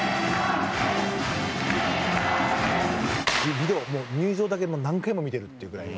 ビデオ入場だけもう何回も見てるっていうぐらいの。